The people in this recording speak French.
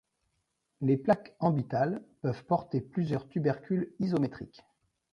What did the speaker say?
Les plaques ambitales peuvent porter plusieurs tubercules isométriques.